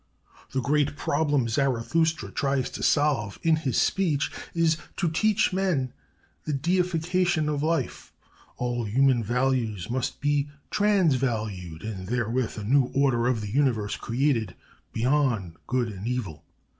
"The great problem Zarathustra tries to solve in his speech is: to teach men the deification of Life; all human values must be 'transvalued,' and therewith a new order of the universe created, 'beyond good and evil.'